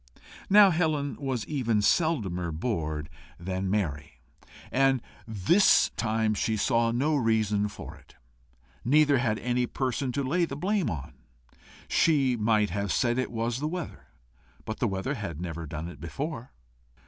Now Helen was even seldomer bored than merry, and this time she saw no reason for it, neither had any person to lay the blame upon. She might have said it was the weather, but the weather had never done it before.